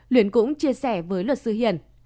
luyến cũng chia sẻ với luật sư hiền